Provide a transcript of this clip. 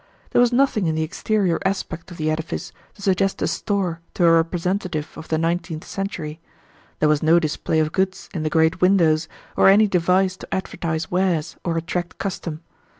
There was nothing in the exterior aspect of the edifice to suggest a store to a representative of the nineteenth century. There was no display of goods in the great windows, or any device to advertise wares, or attract custom.